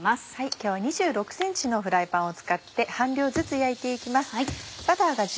今日は２６ｃｍのフライパンを使って半量ずつ焼いて行きます。